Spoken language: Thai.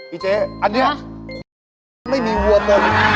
อีเจ๊อันนี้ไม่มีหัวนม